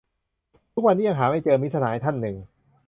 "ทุกวันนี้ยังหาไม่เจอ" มิตรสหายท่านหนึ่ง